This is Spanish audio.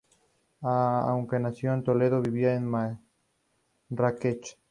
Aunque nació en Toledo vivía en Marrakech.